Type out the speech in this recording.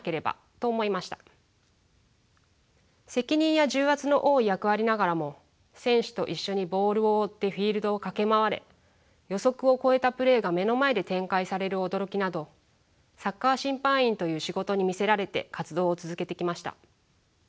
責任や重圧の多い役割ながらも選手と一緒にボールを追ってフィールドを駆け回れ予測を超えたプレーが目の前で展開される驚きなどサッカー審判員という仕事に魅せられて活動を続けてきました。